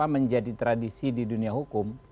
menjadi tradisi di dunia hukum